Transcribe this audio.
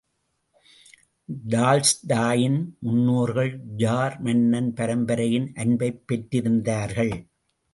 டால்ஸ்டாயின் முன்னோர்கள் ஜார் மன்னன் பரம்பரையின் அன்பைப் பெற்றிருந்தார்கள்.